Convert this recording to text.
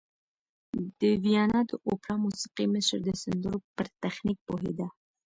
د ویانا د اوپرا موسیقي مشر د سندرو پر تخنیک پوهېده